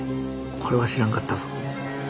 これは知らんかったぞ。